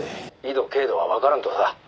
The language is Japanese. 「緯度経度はわからんとさ」